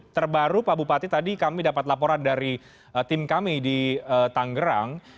terbaru pak bupati tadi kami dapat laporan dari tim kami di tanggerang